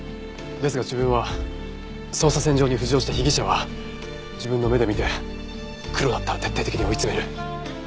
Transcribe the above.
ですが自分は捜査線上に浮上した被疑者は自分の目で見てクロだったら徹底的に追い詰める。